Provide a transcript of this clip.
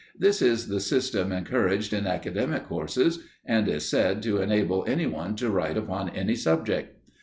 This is the system encouraged in academic courses and is said to enable any one to write upon any subject.